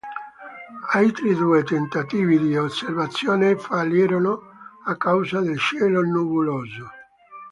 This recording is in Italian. Altri due tentativi di osservazione fallirono a causa del cielo nuvoloso.